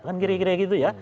kan kira kira gitu ya